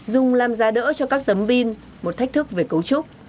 dùng làm giá đỡ cho các tấm pin một thách thức về cấu trúc